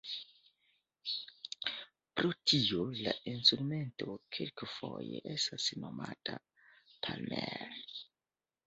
Pro tio la instrumento kelkfoje estas nomata "palmer".